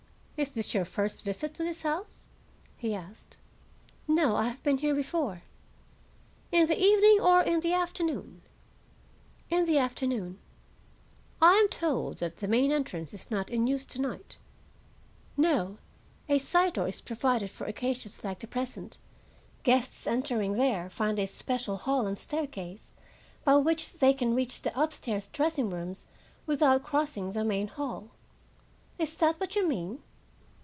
"Is this your first visit to this house?" he asked. "No; I have been here before." "In the evening, or in the afternoon?" "In the afternoon." "I am told that the main entrance is not in use to night." "No. A side door is provided for occasions like the present. Guests entering there find a special hall and staircase, by which they can reach the upstairs dressing rooms, without crossing the main hall. Is that what you mean?"